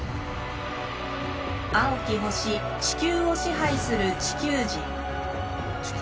青き星地球を支配する地球人。